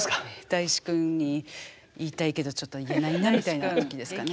だいし君に言いたいけどちょっと言えないなみたいな時期ですかね。